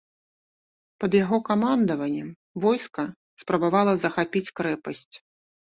Пад яго камандаваннем войска спрабавала захапіць крэпасць.